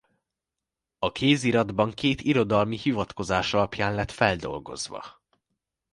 A kéziratban két irodalmi hivatkozás alapján lett feldolgozva.